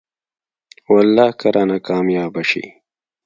والله که رانه کاميابه شې.